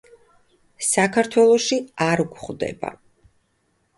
საქართველოში არ გვხვდება.